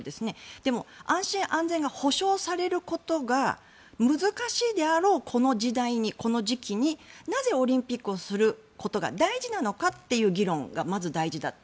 でも、安心安全が保証されることが難しいであろうこの時代にこの時期になぜオリンピックをすることが大事なのかという議論がまず大事だった。